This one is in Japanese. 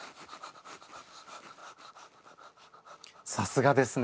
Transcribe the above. さすがですね